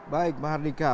baik mbah hardika